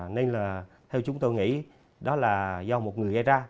nên là theo chúng tôi nghĩ đó là do một người gây ra